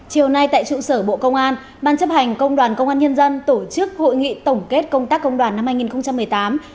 chiều nay tại trụ sở bộ công an ban chấp hành công đoàn công an nhân dân tổ chức hội nghị tổng kết công tác công đoàn năm hai nghìn một mươi tám